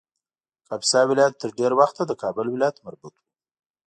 کاپیسا ولایت تر ډېر وخته د کابل ولایت مربوط و